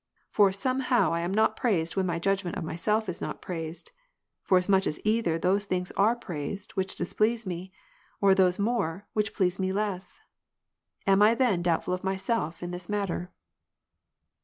For some how I am not praised when my judgment of myself is not praised ; for asmuch as either those things are praised, which displease me ; or those more, which please me less. Am I then doubt ful of myself in this matter